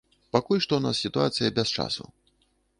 Пакуль што ў нас сітуацыя без часу.